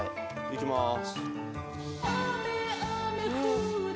いきます。